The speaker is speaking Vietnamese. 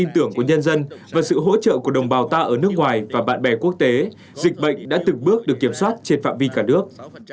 bởi sự hỗ trợ của đồng bào ta ở nước ngoài và bạn bè quốc tế dịch bệnh đã từng bước được kiểm soát trên phạm vi cả nước